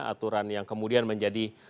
aturan yang kemudian menjadi